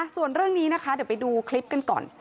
ส่วนเรื่องนี้นะคะเดี๋ยวไปดูคลิปกันก่อน